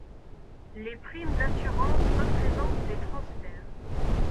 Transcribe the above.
Les primes d'assurance représentent des transferts.